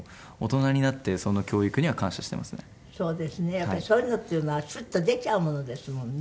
やっぱりそういうのっていうのはスッと出ちゃうものですもんね。